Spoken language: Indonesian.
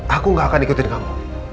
aku gak akan ikutin kamu